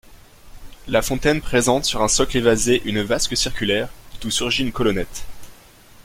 La fontaine présente sur un socle évasé une vasque circulaire d'où surgit une colonnette.